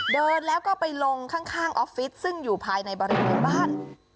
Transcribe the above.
เดินแล้วก็ไปลงข้างออฟฟิศซึ่งอยู่ภายในบริเวณบ้าน